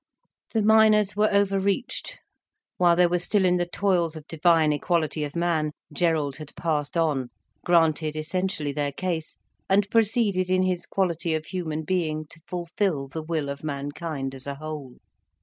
The miners were overreached. While they were still in the toils of divine equality of man, Gerald had passed on, granted essentially their case, and proceeded in his quality of human being to fulfil the will of mankind as a whole.